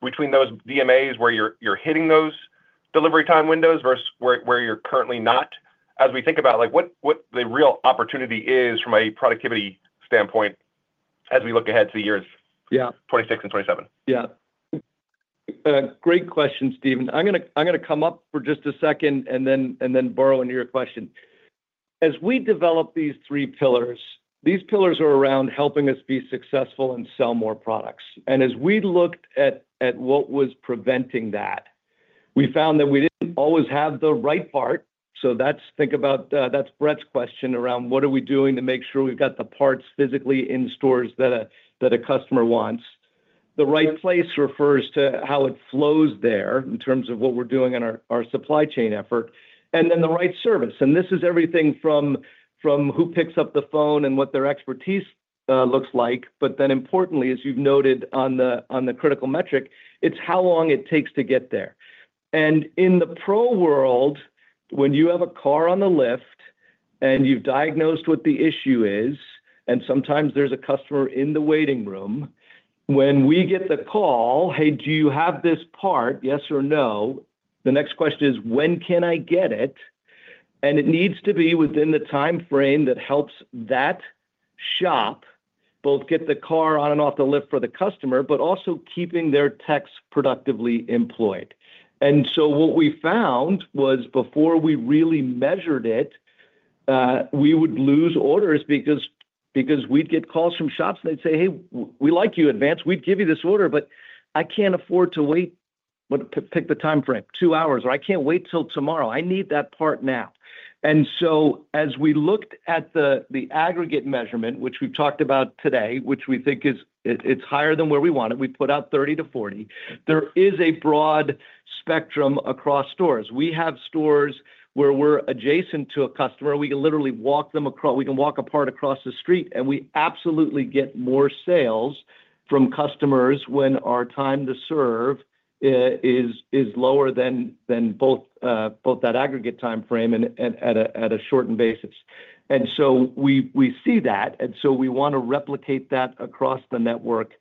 between those DMAs where you're hitting those delivery time windows versus where you're currently not? As we think about what the real opportunity is from a productivity standpoint as we look ahead to the years 2026 and 2027. Yeah. Great question, Steven. I'm going to come up for just a second and then bore into your question. As we develop these three pillars, these pillars are around helping us be successful and sell more products. And as we looked at what was preventing that, we found that we didn't always have the right part. So that's Bret's question around what are we doing to make sure we've got the parts physically in stores that a customer wants. The right place refers to how it flows there in terms of what we're doing in our supply chain effort, and then the right service, and this is everything from who picks up the phone and what their expertise looks like, but then importantly, as you've noted on the critical metric, it's how long it takes to get there, and in the Pro world, when you have a car on the lift and you've diagnosed what the issue is, and sometimes there's a customer in the waiting room, when we get the call, "Hey, do you have this part? Yes or no?" The next question is, "When can I get it?", and it needs to be within the time frame that helps that shop both get the car on and off the lift for the customer, but also keeping their techs productively employed. What we found was before we really measured it, we would lose orders because we'd get calls from shops and they'd say, "Hey, we like you, Advance. We'd give you this order, but I can't afford to wait." Pick the time frame. Two hours. Or, "I can't wait till tomorrow. I need that part now." And so as we looked at the aggregate measurement, which we've talked about today, which we think is higher than where we want it, we put out 30-40, there is a broad spectrum across stores. We have stores where we're adjacent to a customer. We can literally walk them across. We can walk a part across the street, and we absolutely get more sales from customers when our time to serve is lower than both that aggregate time frame and at a shortened basis. And so we see that, and so we want to replicate that across the network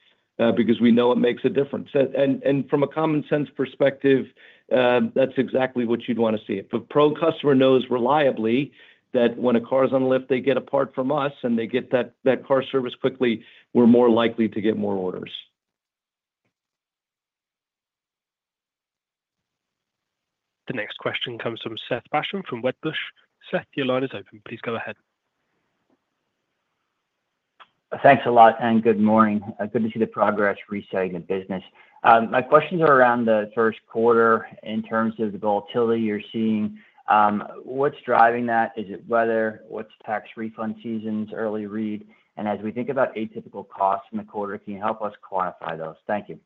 because we know it makes a difference. And from a common sense perspective, that's exactly what you'd want to see. If a Pro customer knows reliably that when a car is on the lift, they get a part from us and they get that car service quickly, we're more likely to get more orders. The next question comes from Seth Basham from Wedbush. Seth, your line is open. Please go ahead. Thanks a lot, and good morning. Good to see the progress resetting the business. My questions are around the first quarter in terms of the volatility you're seeing. What's driving that? Is it weather? What's tax refund seasons, early read? And as we think about atypical costs in the quarter, can you help us quantify those? Thank you.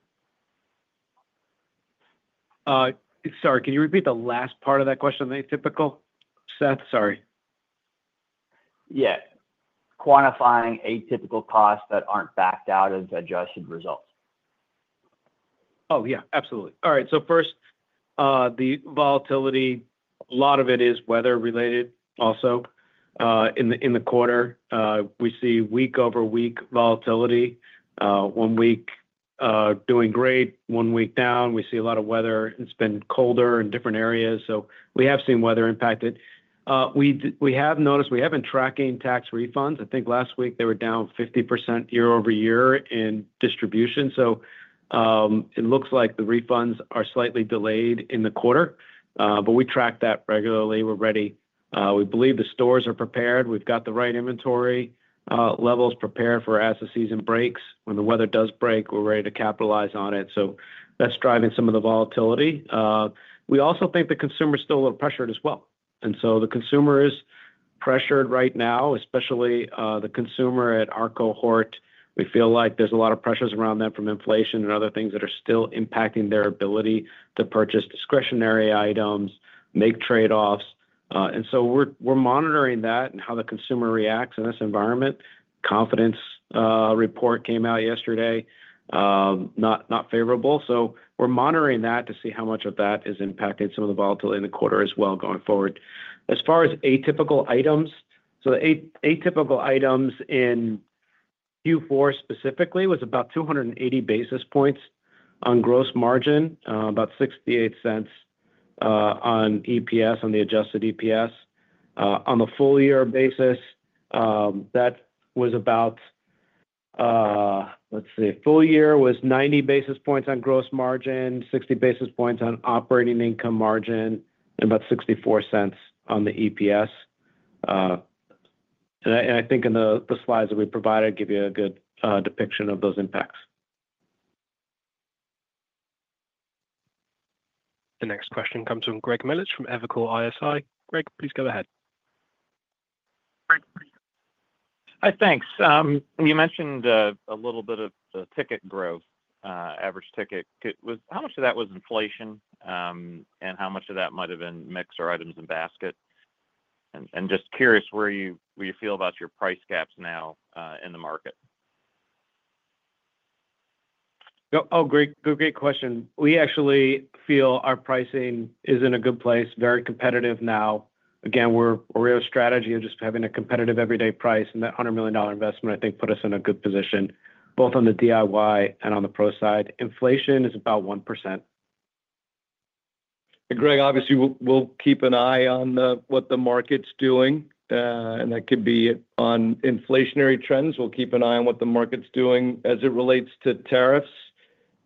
Sorry, can you repeat the last part of that question, the atypical? Seth, sorry. Yeah. Quantifying atypical costs that aren't backed out as adjusted results. Oh, yeah. Absolutely. All right. So first, the volatility, a lot of it is weather-related also. In the quarter, we see week-over-week volatility. One week doing great, one week down, we see a lot of weather. It's been colder in different areas, so we have seen weather impacted. We have noticed we have been tracking tax refunds. I think last week they were down 50% year-over-year in distribution. So it looks like the refunds are slightly delayed in the quarter, but we track that regularly. We're ready. We believe the stores are prepared. We've got the right inventory levels prepared for us at season breaks. When the weather does break, we're ready to capitalize on it. So that's driving some of the volatility. We also think the consumer is still a little pressured as well. The consumer is pressured right now, especially the consumer at our cohort. We feel like there's a lot of pressures around them from inflation and other things that are still impacting their ability to purchase discretionary items, make trade-offs. We're monitoring that and how the consumer reacts in this environment. Confidence report came out yesterday, not favorable. We're monitoring that to see how much of that is impacting some of the volatility in the quarter as well going forward. As far as atypical items, the atypical items in Q4 specifically was about 280 basis points on gross margin, about $0.68 on EPS, on the adjusted EPS. On the full-year basis, that was about, let's see, full-year was 90 basis points on gross margin, 60 basis points on operating income margin, and about $0.64 on the EPS. And I think in the slides that we provided, I give you a good depiction of those impacts. The next question comes from Greg Melich from Evercore ISI. Greg, please go ahead. Great. Thanks. You mentioned a little bit of the ticket growth, average ticket. How much of that was inflation, and how much of that might have been mix or items in basket? And just curious where you feel about your price gaps now in the market. Oh, great question. We actually feel our pricing is in a good place, very competitive now. Again, we're a strategy of just having a competitive everyday price, and that $100 million investment, I think, put us in a good position, both on the DIY and on the Pro side. Inflation is about 1%, and Greg, obviously, we'll keep an eye on what the market's doing, and that could be on inflationary trends. We'll keep an eye on what the market's doing as it relates to tariffs.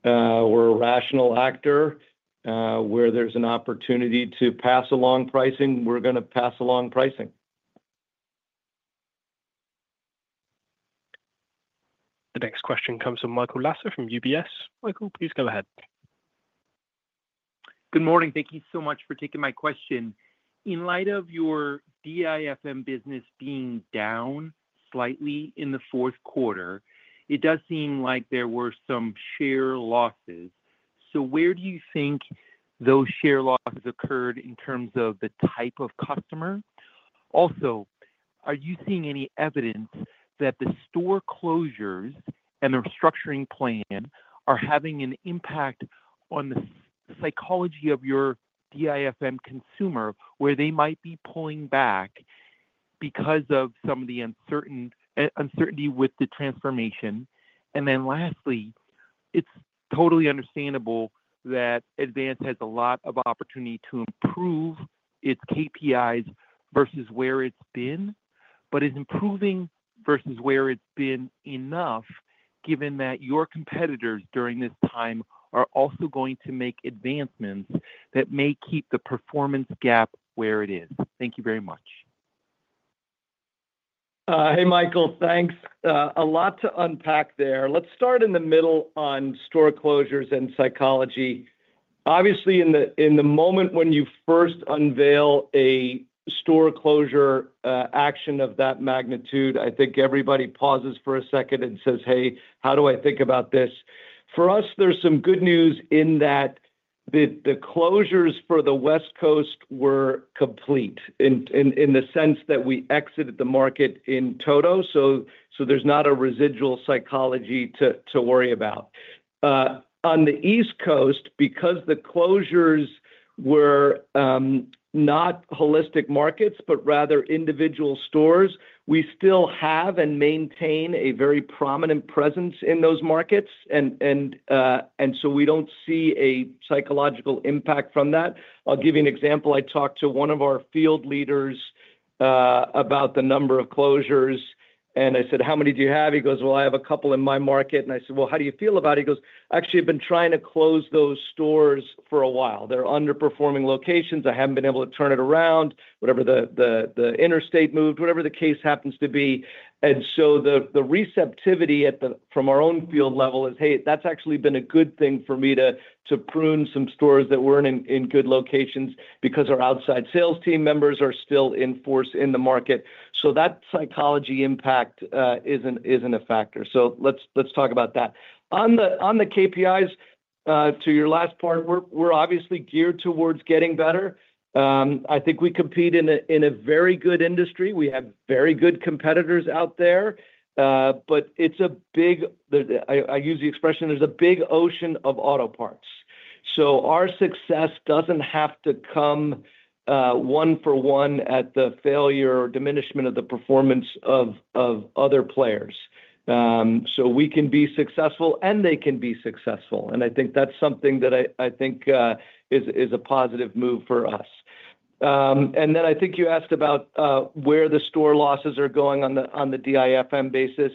We're a rational actor. Where there's an opportunity to pass along pricing, we're going to pass along pricing. The next question comes from Michael Lasser from UBS. Michael, please go ahead. Good morning. Thank you so much for taking my question. In light of your DIFM business being down slightly in the fourth quarter, it does seem like there were some share losses. So where do you think those share losses occurred in terms of the type of customer? Also, are you seeing any evidence that the store closures and their structuring plan are having an impact on the psychology of your DIFM consumer, where they might be pulling back because of some of the uncertainty with the transformation? And then lastly, it's totally understandable that Advance has a lot of opportunity to improve its KPIs versus where it's been, but is improving versus where it's been enough, given that your competitors during this time are also going to make advancements that may keep the performance gap where it is. Thank you very much. Hey, Michael, thanks. A lot to unpack there. Let's start in the middle on store closures and psychology. Obviously, in the moment when you first unveil a store closure action of that magnitude, I think everybody pauses for a second and says, "Hey, how do I think about this?" For us, there's some good news in that the closures for the West Coast were complete in the sense that we exited the market in toto, so there's not a residual psychology to worry about. On the East Coast, because the closures were not whole markets, but rather individual stores, we still have and maintain a very prominent presence in those markets. And so we don't see a psychological impact from that. I'll give you an example. I talked to one of our field leaders about the number of closures, and I said, "How many do you have?" He goes, "Well, I have a couple in my market." And I said, "Well, how do you feel about it?" He goes, "Actually, I've been trying to close those stores for a while. They're underperforming locations. I haven't been able to turn it around," whatever the reason, whatever the case happens to be. And so the receptivity from our own field level is, "Hey, that's actually been a good thing for me to prune some stores that weren't in good locations because our outside sales team members are still in force in the market." So that psychological impact isn't a factor. So let's talk about that. On the KPIs, to your last part, we're obviously geared towards getting better. I think we compete in a very good industry. We have very good competitors out there, but it's a big, I use the expression, there's a big ocean of auto parts. So our success doesn't have to come one for one at the failure or diminishment of the performance of other players. So we can be successful, and they can be successful. And I think that's something that I think is a positive move for us. And then I think you asked about where the store losses are going on the DIFM basis.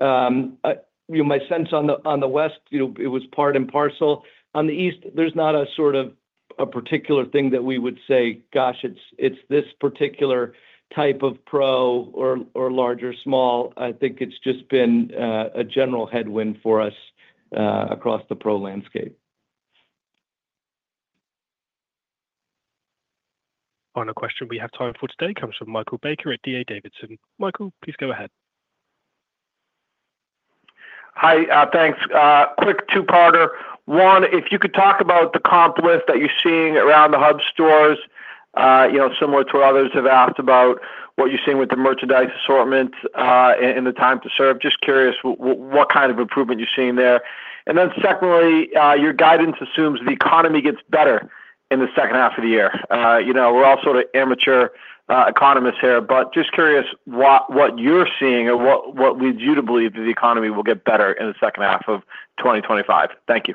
My sense on the West, it was part and parcel. On the East, there's not a sort of a particular thing that we would say, "Gosh, it's this particular type of Pro or large or small." I think it's just been a general headwind for us across the Pro landscape. Final question we have time for today comes from Michael Baker at D.A. Davidson. Michael, please go ahead. Hi, thanks. Quick two-parter. One, if you could talk about the comps list that you're seeing around the hub stores, similar to what others have asked about, what you're seeing with the merchandise assortment and the time to serve. Just curious what kind of improvement you're seeing there. And then secondly, your guidance assumes the economy gets better in the second half of the year. We're all sort of amateur economists here, but just curious what you're seeing or what leads you to believe that the economy will get better in the second half of 2025. Thank you.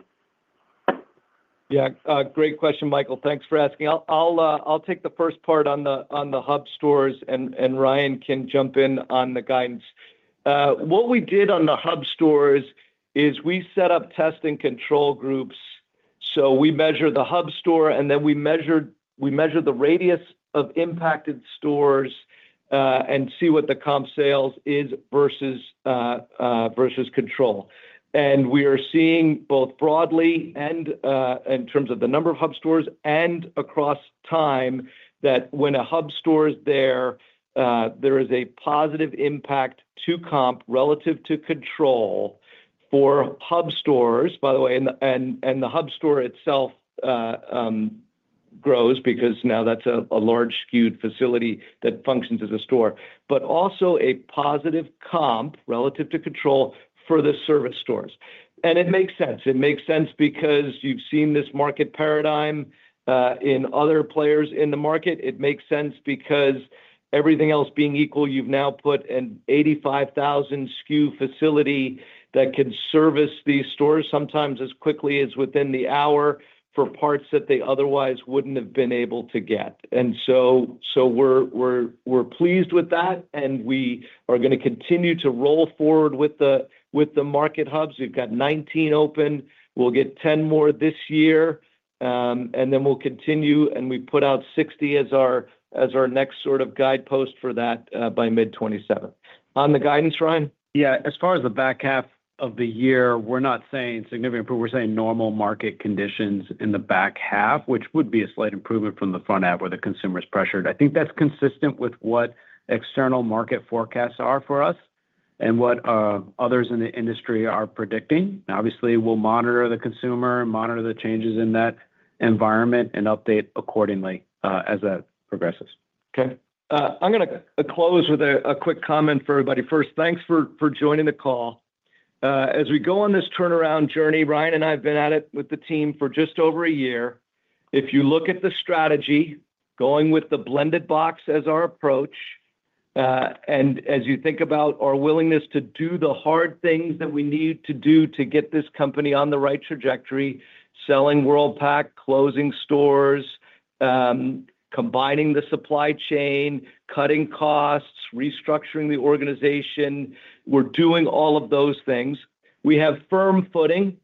Yeah. Great question, Michael. Thanks for asking. I'll take the first part on the hub stores, and Ryan can jump in on the guidance. What we did on the hub stores is we set up test and control groups. So we measure the hub store, and then we measure the radius of impacted stores and see what the comp sales is versus control. And we are seeing both broadly and in terms of the number of hub stores and across time that when a hub store is there, there is a positive impact to comp relative to control for hub stores, by the way, and the hub store itself grows because now that's a large SKU'd facility that functions as a store, but also a positive comp relative to control for the served stores. And it makes sense. It makes sense because you've seen this market paradigm in other players in the market. It makes sense because everything else being equal, you've now put an 85,000 SKU facility that can service these stores sometimes as quickly as within the hour for parts that they otherwise wouldn't have been able to get. And so we're pleased with that, and we are going to continue to roll forward with the Market Hubs. We've got 19 open. We'll get 10 more this year, and then we'll continue, and we put out 60 as our next sort of guidepost for that by mid-2027. On the guidance, Ryan? Yeah. As far as the back half of the year, we're not saying significant improvement. We're saying normal market conditions in the back half, which would be a slight improvement from the front half where the consumer is pressured. I think that's consistent with what external market forecasts are for us and what others in the industry are predicting. Obviously, we'll monitor the consumer, monitor the changes in that environment, and update accordingly as that progresses. Okay. I'm going to close with a quick comment for everybody. First, thanks for joining the call. As we go on this turnaround journey, Ryan and I have been at it with the team for just over a year. If you look at the strategy, going with the blended box as our approach, and as you think about our willingness to do the hard things that we need to do to get this company on the right trajectory, selling Worldpac, closing stores, combining the supply chain, cutting costs, restructuring the organization, we're doing all of those things. We have firm footing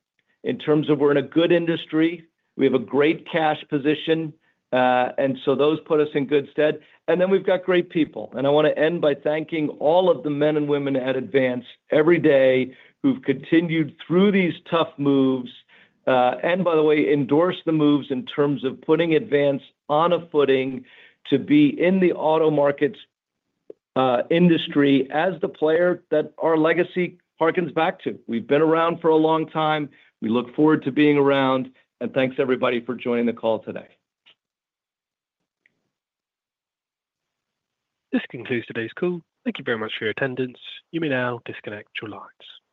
in terms of we're in a good industry. We have a great cash position, and so those put us in good stead. And then we've got great people. I want to end by thanking all of the men and women at Advance every day who've continued through these tough moves and, by the way, endorsed the moves in terms of putting Advance on a footing to be in the auto markets industry as the player that our legacy hearkens back to. We've been around for a long time. We look forward to being around, and thanks everybody for joining the call today. This concludes today's call. Thank you very much for your attendance. You may now disconnect your lines.